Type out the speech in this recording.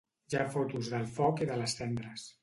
Hi ha fotos del foc i de les cendres.